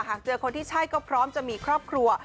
หากเจอคนที่ใช่ก็พร้อมจะมีครอบครัว